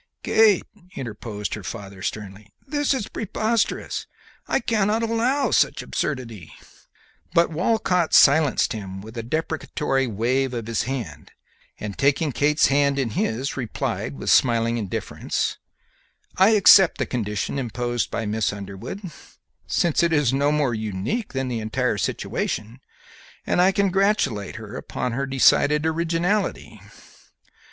"Kate," interposed her father, sternly, "this is preposterous! I cannot allow such absurdity;" but Walcott silenced him with a deprecatory wave of his hand, and, taking Kate's hand in his, replied, with smiling indifference, "I accept the condition imposed by Miss Underwood, since it is no more unique than the entire situation, and I congratulate her upon her decided originality.